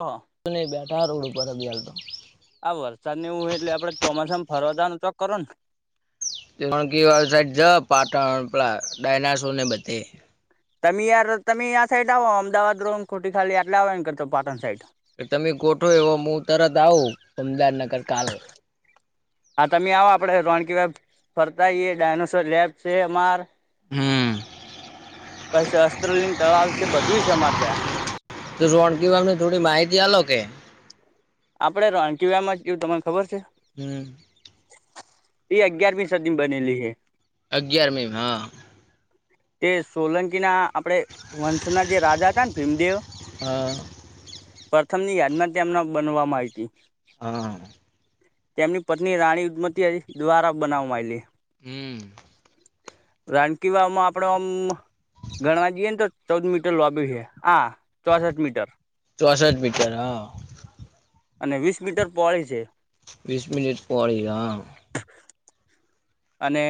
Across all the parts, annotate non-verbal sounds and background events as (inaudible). તો. ને બેઠા રોડ ઉપર અલ હતો. આ વરસાદ ને એવું હોય એટલે આપડે ચોમાસામાં ફરવાદવાનું ચોક કરો ને. ણ કવાળ સાઈડ જ પાટણ પલા ડાયનાસોર ને બધે. તમે યાર તમે આ સાઈડ આવો અમદાવાદ રોન ખોટી ખાલી આટ આવ કરતો પાટણ સાઈડ. તમે ગોઠો એવો હું તરત આવું અમદાદનગર કાલો. હા તમે આવ આપડે રોણકી વબ ફરતા આવીએ ડાયનોસોર લેબ છે અમાર. હમ પછ અસ્ત્રલિન તળાવ છે બધું છે અમારે ત. તો રોણકીવામની થોડી માહિતીાલ કે. આપડે રણ કવા એમાં એવું તમને ખબર છે. હમ. એ અગિયારમી સદી બનેલી હે. અગિયારમીમાં હા. તે સોલંકી ના આપણેે વંશના જે રાજા હતા ને ભીમદેવ. હા પ્રથમ ની યાદમાં તેમના બનવામાં આવી હતી. હા તેમની પત્ની રાણી ઉદમતી દ્વારા બનાવવામાંયલી. હમ. રાનકી વાવમાં આપડ આમ ઘણવા જઈએ ને તો. ચૌદ મીટર લોબી છે હા ચોસઠ મીટર. ચોસઠ મીટર હા અને વીસ મીટર પોળી છે. વીસ મિટ પોડીિયા. હ. અને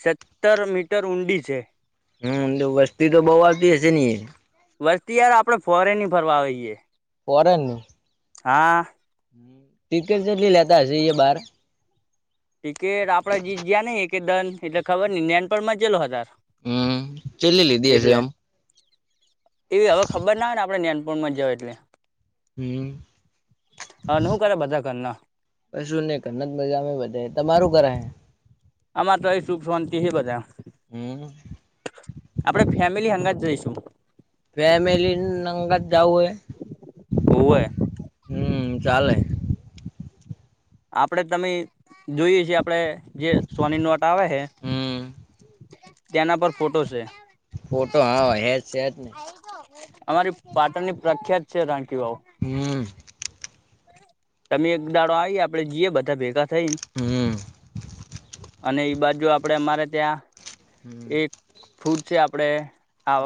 સત્તર મીટર ઊંડી છે. હમ વસ્તી તો બહ આપતી હશે ની એ. વસ્તી યાર આપડે ફોરેનની ફરવા આવીઈએ. પ ન ન. હા. ની. ટિકટ જેટલી લેતા હશે એ બહાર. ટિકટ આપડે જયા નહ એક દન એટલે ખબર ન જનપણમાં જલો હાર. હમ છેલ્લી લીધી હશે આમ. એવી હવે ખબર ના હોય ને આપણેે્યાનપુણમાં જઓ એટલે. હમ હ નું કરે બધા કરના. પ શું નને કર મજામે બધે તમારું ઘર હ. આમાર તો એ ચુખ શંતિ હ બજા. હમ. આપણેે ફેમિલી હંગા જ જઈશું. ફેમિલી નંગત જવું એ હોવે હમ ચલે. આપડે તમે જોઈએ છીએ આપડે જે સોની નોટા આવે છે. હમ્મ તેના પર ફોટો છે. ફોટો હા હ જ સ જ ને. અમારી પાટણની પ્રખ્યાત છે રાણખ બાાવુ. હમ. તમે એક દાડો આવી આપડે જઈએ બધા ભેગા થઈ ને. હમ. અને એઈ બાજુ આપડે અમારે ત્યાં એક. હમ્મ ફૂડ છે આપડે આ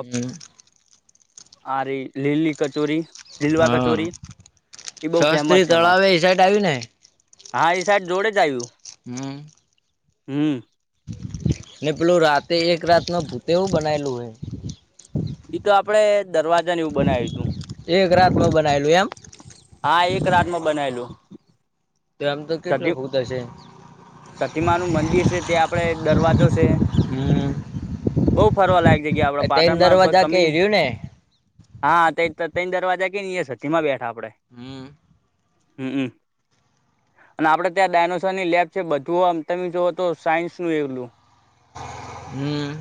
આરી લીલી કચોરી. લીલવા કચોરી એ બહુ ફેમસ. છે દળ અમાર આવેવે એ સ સાઇડ આવીને. હા એ સાઈડ જોડે જ આવ્યું. હમ. હમ ને પેલું રાતે એક રાતનું ભૂતેવું બનાયલું હોય. તો આપડણે દરવાજા વું બનાવ્યું તું. એક રાત ન બનાવેલું એમ- હા એક રાત ન બનાયલું- તો આમ તો કેટલો સતી ફૂત હશે- સતીમા નું મંદિર છે તે્યા આપણે દરવાજો છે. હમ - બઉુ ફરવા લાયક જગ્યા આપડ પાટણમાં કોઈ કે કમી નહિ. રહ્યું ને હા તેની દરવાજા કે ની માં બેઠા આપડે (unintelligible) હમ હમ હમ અને આપણે ત્યાં ડાયનોસોરની લેબ છે બધું આમ તમે જોુઓ તો સાયન્સનું એલું હમ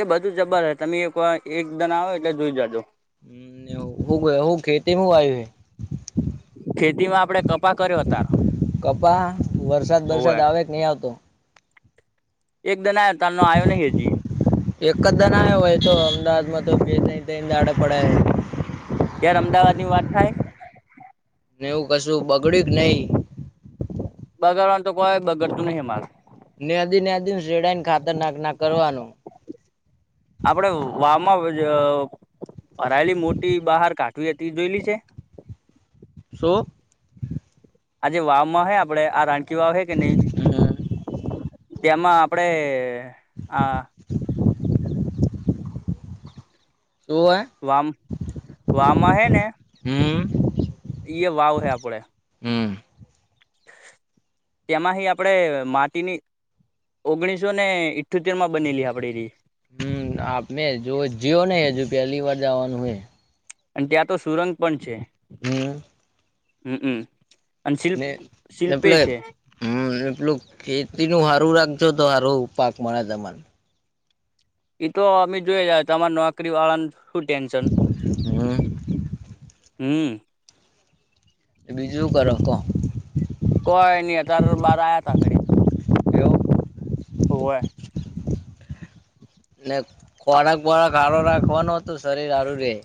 એ બધું જબર હ તમે એક વાર એકદન આવે એટલે જોઈ જાજો હું હું ખેતીમાં આવી હ- ખેતીમાં આપડે કપા કર્યો તાર (unintelligible) કપા વરસાદ હોવે વરસાદ આવે- નય આવતો- એકદન આવ તનો આવયો ને હેજી- એકદા ના આવ હોય તો અમદાવાદમાં તો બે ત થ દાડે પડે- યાર અમદાવાદ ની વાત થાય- ને એવું કશું બગડ્યું કે નહી- બગારવાનું તો કોઈ બગર તુ નહી માર- નદીનનદિન શ્રેડાઇન ખાતરનાક ના કરવાનું. આપડે વાવામાં હરાયેલી મોટી બહાર કાઢવી હતી જોયેલી છે. શું આજે વાવમાં હ આપડે આ રાણકી વાવ હે કે નહી. તેમાં આપણે આ- શું એ - વામ વામા હૈ ને હમ એ વાવ હૈ આપડે- હમ તેમાંથી આપણેે માટીની- ઓગણીસો ને ઇઠ્યોતેર માં બનેલી આપણે- હમ આપ મે જો જીઓ ન હ પહેલી વાર જવાનું હ- અને ત્યાં તો સુરંગ પણ છે. હમ હમમ અને શિલ્પ ને ને શિલ્પે પેલે છે. હમ એટલું ખેતી નું સારું રાખજો તો સારો પાક મળે તમાને- એતો અમે જોઈ તમારા નોકરી વાળાનું શું ટેન્શન. હમ હમ બીજું કરો કો. કોઈ નઈ અતાર બાર આવ્યા તા ઘડીક એવું હુએ. ને ખોરાક બોરાક હારો રાખવાનો તો શરીર હારું રેહ.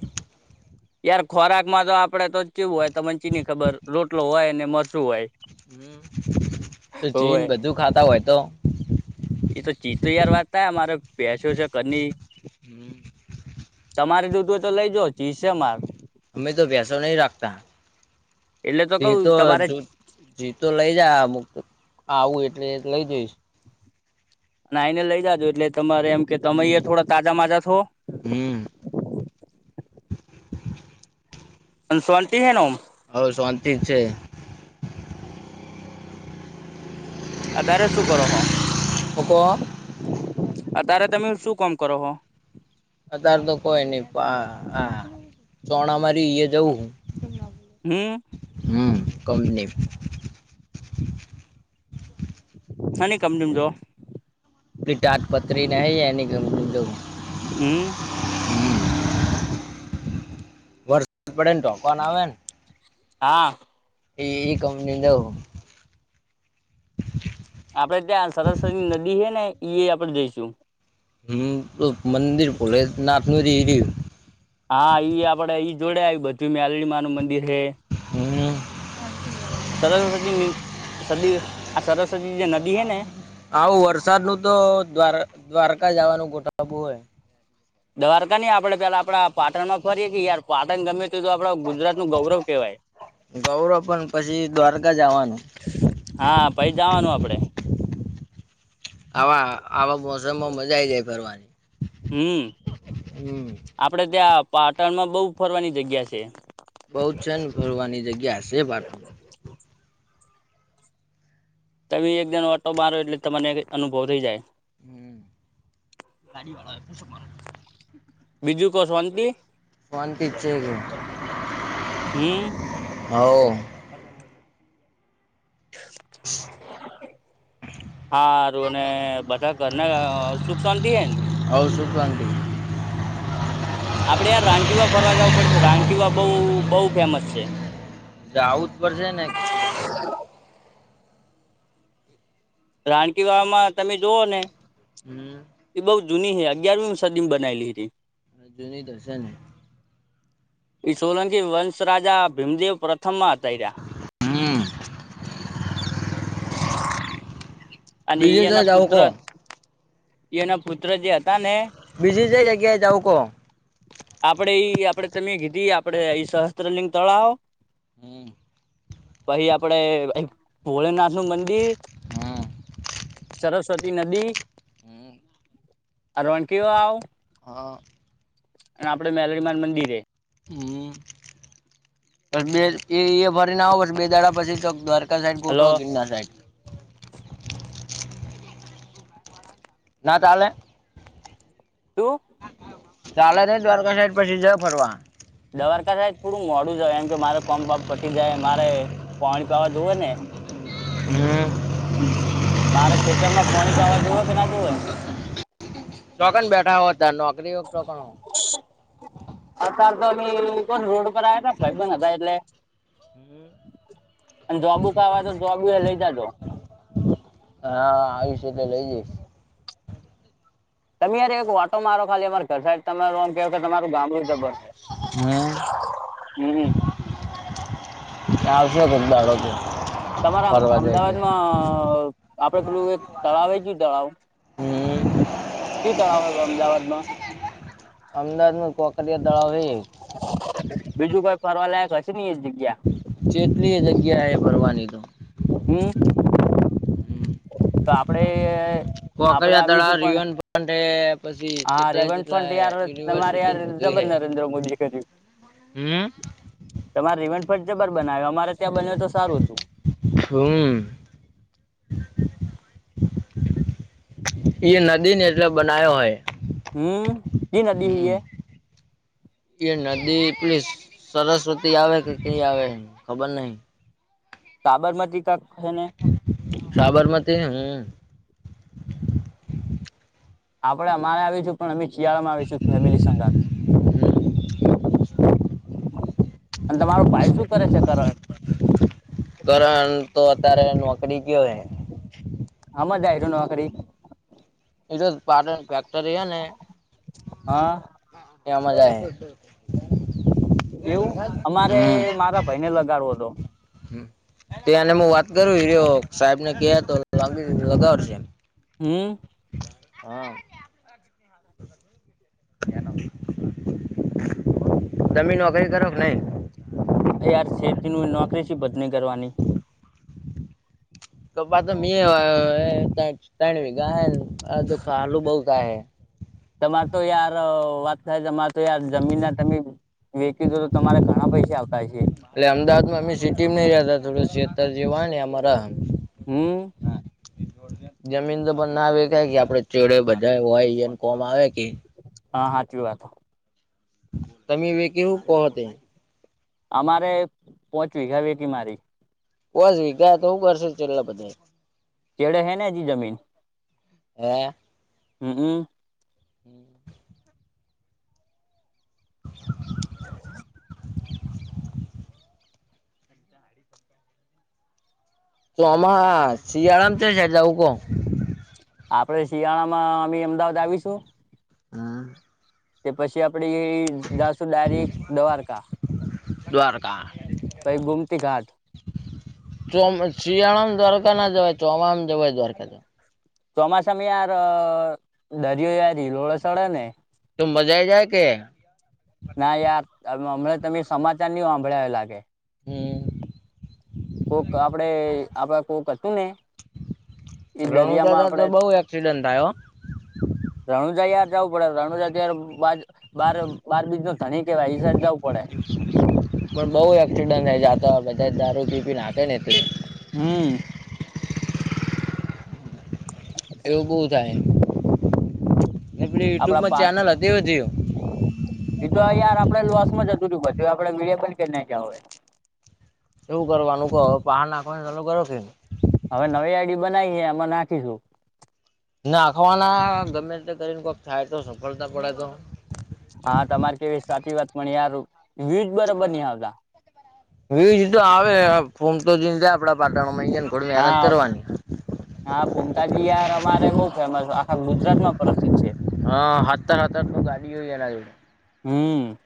યાર ખોરાક માં તો આપડે તો જ કેવું હોય ત મચીની ખબર રોટલો હોય ને મરસું હોય. હમ્મ, તો હોવે ચીન બધું ખાતા હોય તો એ તો ચિતત યાર વાત થ અમારે બેસો છે કની- હમ- તમારે દૂધ હોય તો લઈ જા ચીસે માર- અમે તો વસો નહી રાખતા એટલે તે કઉ તો તમારે જો- જી તો લઈ જમક્ત આવું એટલે લઈ જઈશ. અને આઈને લઈ જાજો એટલે તમારે એમ કે તમે હમ્મ. થોડા તાજા માજા થો- હમ્મ સન શાંતિ હૈ ને ઓમ હઓ શાંતિ જ છે. અત્યારે શું કરો હો? હોકો. અત્યારે તમે શું કામ કરો હો? અતારે તો કોઈ નહી આ આ ચોણા મારી એ જવું હું. હમ્મ. હમ્મ, કમ ની. હાની કમની જો? એ તાટપત્રી નહીં એનીં કંપની માં જઉં. અમ્મ. રસાદ પડે ને ફોન આવે ને હા ઈ એ કંપની જાઉં હું. આપડે ત્યાં સરસ્વતીની નદી હૈ ને ઈ આપડે જઈશું. હમ્મ, તો મંદિર ભલો નાપ નું રહી ગયું. હા, ઈ આપડે ઈ જોડે આવી બધું મેલડી માનું મંદિર હે. હમ્મ. સરસ્વતી ની સદી આ સરસ્વતી જે નદી હે ને આવું વરસાદનું તો દ્વાર દ્વારકા જવાનું ગોઠબું હે. દવારકા નઈ આપણેે પેલા આપડા પાટણમાં ફરીએ કે યાર પાટણ ગમે તે જો આપડા ગુજરાતનું ગૌરવ કેવાય. ગૌરવ પણ પછી દ્વારકા જવાનું હા, પહિ જાવાનું આપડે. આવા આવા મોસમમાં મજા આઈ જાય ફરવાની. હમ હમ્મ. આપડે ત્યાં પાટણમાં બહુ ફરવાની જગ્યા છે. બહુ છે ને ફરવાની જગ્યા છે પાટણ તો ભી એક જનો ઓટો મારો એટલે તમને અનુભવ થઈ જાય. હમ્મ (inaudible) બીજું કો શાંતિ? શાંતિ છે ગો, હમ હઓ. (inaudible) (inaudible) હા હારું અને બધા ઘરના અહ સુખ શાંતિ હે ને? હઓ સુખ શાંતિ. આપડે યાર રાનકી માં ફરવા જવું પડેશે. રાનકીવા બહુ બહુ ફેમસ છે. જાવું જ પડશે ને કે. દો લે. રાણકી વાવમાં તમે જુઓ ને હમ્મ. એ બઉ જૂની હ અગિયારમી સદી બનાયલી રી. અજની દર્શન. ઇ સોલંકી વંશ રાજા ભીમદેવ પ્રથમ માં આ તઈરા. હમ. (inaudible) અને એ બીજું શું એના જવું પુત્ર કો એ (inaudible) એના પુત્ર જે હતા ને. બીઝી જે જગ્યાએ જાવ કો? આપડે એ આપડે તમે કીધી આપડે એઈ સહસ્ત્રલિંગ તળાવો. હમ્મ. પછી આપડે ભોલેનાથનું મંદિર હમ સરસ્વતી નદી હમ અહ રણકી વાવ હા. અને આપડે મેલડીમાને મંદિરે. હમ્મ, પણ બેલ એ એય. ફરીને આવો પછી બે દાડા પછી દ્વારકા સાઈડ હલો ગોઠવા ગીરનાર સાઈડ. ના ચાલે? તો ચાલે નહી દ્વારકા સાઈડ પછી જ ફરવા દવારકા થાય થોડું મોડું જ એમ કે મારે કોમ બાપ પટી જાય મારે પાણી પીવા જવું ને? હમ મારે ખેતર માં પાણી પાવા જવે કે ના જોવે ચોકને બેઠા હો ત નોકરી હો તોકણ અતાર તો હજી અ રોડ ઉપર આવ્યા હતા ભાઈબંધ હતા એટલે અને જબુ ખાવા તો જબુ એ લઈ જજો હા આવીશ એટલે લઈ જઈશ તમે યાર એક વાટો મારો ખાલી અમાર ઘર તમે કેહ કે તમારું ગામડું જબર છે. હમ હમ ત્યા આવશો કોક દાડો તમારા ફરવા જાય એટલે અમદાવાદમાં આપડે પેલું એક તળાવ એ કેયું તળાવ હમ કયું તળાવ હોય અમદાવાદ માં? અમદાવાદ ન કોકરિયા તળાવ હે બીજું કોઈ ફરવાલાયક હશે ને એ જગ્યા! ચેટલી એ જગ્યા એ ફરવાની તો હમ તો આપડે આપડે કોકરિયા આવી તળાવ છું પણ રિવરફ્રન્ટ હે પછી હા ચેટલાય રિવન ચેટલા ફ્રન્ટ યાર તમારે યુનિવર્સિટી યાર બધું જબર હે નરેન્દ્ર મોદીએ કર્યું હમ. તમારે રિવન ફ્રન્ટ જબર બનાયો અમારે ત્યાં બનાયો હોત તો સારું હતું. હમ્મ એ નદી ને એટલે બનાવયો હોય. હમ જી નદી હી હમ એ એ નદી એ સરસ્વતી આવે કે કઈ આવે ખબર નહિ સાબરમતી કા છે ને! સાબરમતી હમ આપડે અમારે આવીશું પણ અમે શિયાળામાં આવીશું ફેમિલી સંગાથ. અને તમારો ભાય શું કરે છે કરણ? કરણ તો અત્યારે નોકરી ગ્યો હે. હમા જાય હે નોકરી? એ તો પાટણ ફેક્ટરી હેને હા એમાં જાય. એવું અમારે હમ મારા ભાઈને લગાડવો તો. તેને હું વાત કર્યો સાહેબ ને ક તો લ લગાવડશે. હમ હા તમે નોકરી કરો કે નહી? યાર ખેતી નું નોકરી છે બધને કરવાની પપ્પા તો કે અવે તણ વિઘા હે (unintelligible) તમા તો યાર વાત થાય તમા તો યાર જમીન ના તમે વેકી દો તો તમારા ઘણા પૈસા આવતા હશે. એટલે અમદાવાદમાં અમે સિટીમાં નહી રહ્યા હતા થોડો સેતર જેવા ને અમારા હમ જમીન તો પણ ના વખાય કે આપડે ચેડે બધા હોય કોમ આવે કે! હા હાચી વાત તમે વેકી હું કોહોતે અમારે પોચ વિઘા વેકી મારી. (unintelligible) વીગા તો શું કરશે છેલ્લા બધા ખેડે હેને હજી જમીન હા હમ્મ હમ્મ હમ્મ. (inaudible) (unintelligible) શિયાળામા કઈ સાઈડ જાવું કો આપડે શિયાળામાં બી અમદાવાદ આવીશું. હમ્મ. તે પછી આપડે જાશું ડાયરેક્ટ દ્વારકા દ્વારકા પછી ગોમતીઘાટ શિયાળમાં દ્વારકા ના જવાય ચોમાસામાં જવાય દ્વારકા ચોમાસામાં યાર દરિયો યાર હિલોળે ચડે ને. તો મજા આય જાય કે ના યાર હમણાં તમે સમાચાર નહી સાંભળ્યા એવુ લાગે. હમ્મ. કોક આપડે આપડે કોક હતું ને એ રણુજા દરિયામાં આપડે જાતા બહુ એક્સિડન્ટ થાય હો રણુજા યાર જાવું પડે રાણુજા ત્યાર બા બાર બાર બીજ નો ધણી કેવાય એ સાઈડ જવું પડે. પણ બઉ એક્સિડન્ટ થાય જાતા બધા દારૂ પીપી ન હાકે ને એટલે. હમ્મ. એવું બહુ થાય એટલે આપડા યુટ્યુબમાં પાટ ચેનલ (unintelligible) એ તો યાર આપડે લોસમાં જતુ રયુ આપડે મીડિયા પણ કે ના ગયા હોય એવું કરવાનું કહો પાહાર નાખવા ને ચાલો કરો ફિર હવે નવી આઈડી બનાવીએ એમાં નાખીશું. નાખવાના ગમે તે કરીને કોઈક થાય તો સફળતા પડે તો. હા તમારે કેવી સાચી વાત પણ યાર વ્યુજ બરોબર નહી આવતા. વ્યુજતો આવે ફોમ તો જોઈે આપડા પાટણ મળી જાય ને થોડી મહેનત હા કરવાની હા ફોમતાજીયાર અમારે બઉ ફેમસ આખા ગુજરાત માં પ્રસિદ્ધ છે. હા હાતાર હાતરું ઠોકાય (unintelligible) એના જોડે હમ્મ.